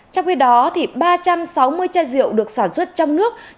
trong khi đó ba trăm sáu mươi chai rượu được sản xuất trong nước